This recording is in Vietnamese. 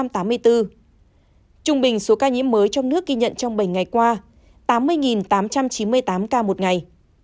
trung bình số ca nhiễm mới trong nước ghi nhận trong bảy ngày qua tám mươi tám trăm chín mươi tám ca một ngày